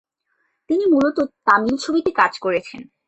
তিনি মূলত তামিল ছবিতে কাজ করেছেন।